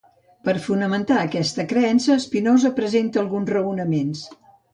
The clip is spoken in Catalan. Per a fonamentar aquesta creença Spinoza presents alguns raonaments.